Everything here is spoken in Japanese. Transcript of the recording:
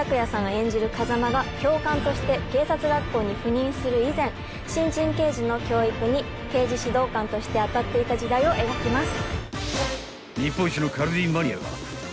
演じる風間が教官として警察学校に赴任する以前新人刑事の教育に刑事指導官として当たっていた時代を描きます。